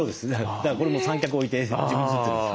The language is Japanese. だからこれも三脚置いて自分で撮ってます。